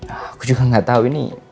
aku juga gak tahu ini